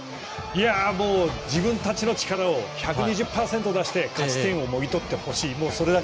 自分たちの力を１２０％出して勝ち点をもぎってほしい。